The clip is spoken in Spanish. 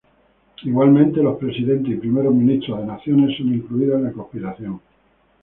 Igualmente, los presidentes y primeros ministros de naciones son incluidos en la conspiración.